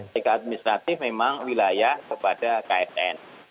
jika administratif memang wilayah kepada ksn